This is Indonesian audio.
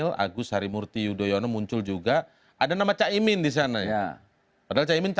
pertanyaan mana tadi